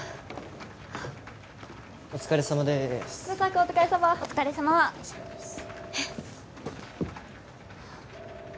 お疲れさまです・黒澤くんお疲れさまお疲れさまお疲れさまですえっ？